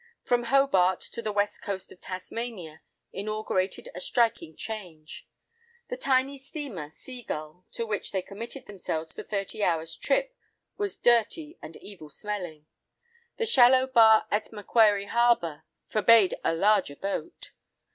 From Hobart to the west coast of Tasmania inaugurated a striking change. The tiny steamer, Seagull, to which they committed themselves for a thirty hours' trip, was dirty, and evil smelling. The shallow bar at Macquarie Harbour forbade a larger boat.